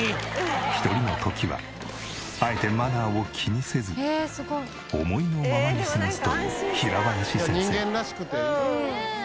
一人の時はあえてマナーを気にせず思いのままに過ごすという平林先生。